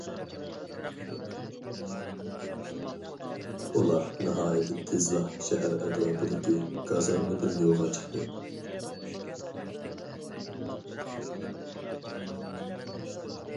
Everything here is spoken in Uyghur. ئۇلار ناھايىتى تېزلا شەھەر ئەتراپىدىكى گازارمىدىن يولغا چىقتى.